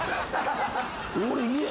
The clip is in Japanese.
「俺家。